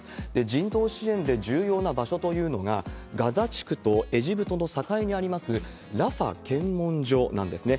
人道支援で重要な場所というのが、ガザ地区とエジプトの境にあります、ラファ検問所なんですね。